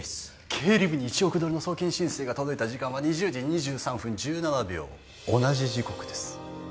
経理部に１億ドルの送金申請が届いた時間は２０時２３分１７秒同じ時刻です